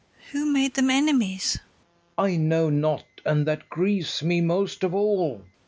Who made them enemies? FERNEZE. I know not; and that grieves me most of all.